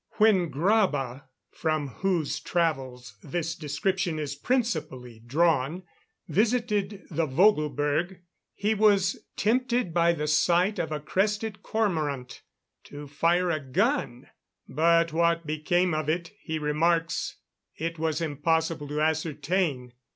When Graba, from whose travels this description is principally drawn, visited the Vogel berg, he was tempted by the sight of a crested cormorant to fire a gun, but what became of it, he remarks, it was impossible to ascertain.